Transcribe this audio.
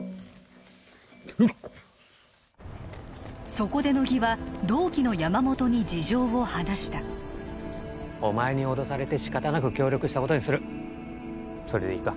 そこで乃木は同期の山本に事情を話したお前に脅されて仕方なく協力したことにするそれでいいか？